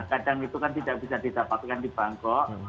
kadang itu kan tidak bisa didapatkan di bangkok